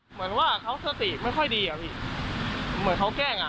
เหมือนว่าเขาสติไม่ค่อยดีอะพี่เหมือนเขาแกล้งอ่ะ